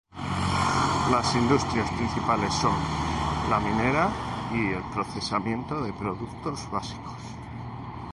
Las industrias principales son la minería y el procesamiento de productos básicos.